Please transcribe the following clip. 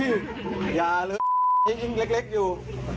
อุ้ยอย่าเริ่มยิ่งเล็กอยู่